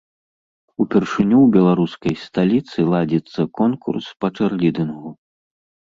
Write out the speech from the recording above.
Упершыню ў беларускай сталіцы ладзіцца конкурс па чэрлідынгу.